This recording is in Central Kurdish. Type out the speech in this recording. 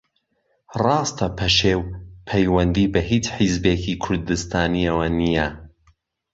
ڕاستە پەشێو پەیوەندی بە ھیچ حیزبێکی کوردستانییەوە نییە